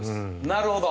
なるほど！